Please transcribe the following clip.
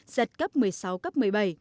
giật cấp một mươi sáu cấp một mươi bảy